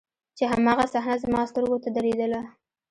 چې هماغه صحنه زما سترګو ته درېدله.